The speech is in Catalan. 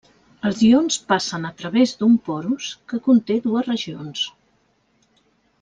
Els ions passen a través d'un porus que conté dues regions.